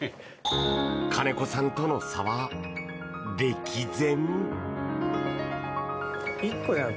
金子さんとの差は歴然。